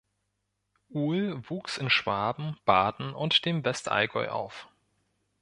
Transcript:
Uhl wuchs in Schwaben, Baden und dem Westallgäu auf.